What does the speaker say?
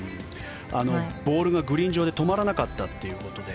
ボールがグリーン上で止まらなかったということで。